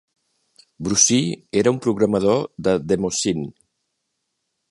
Brussee era un programador de demoscene.